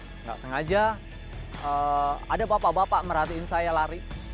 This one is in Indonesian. pada waktu itu saya bekerja ada bapak bapak merhatiin saya lari